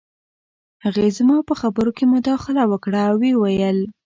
هغې زما په خبرو کې مداخله وکړه او وویې ویل